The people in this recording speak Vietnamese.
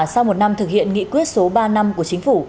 sau một năm thực hiện nghị quyết số ba năm của chính phủ